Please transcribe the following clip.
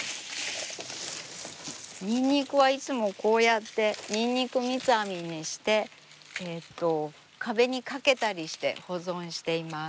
にんにくはいつもこうやってにんにく三つ編みにして壁にかけたりして保存しています。